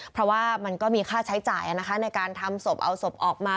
เพราะว่ามันก็มีค่าใช้จ่ายในการทำศพเอาศพออกมา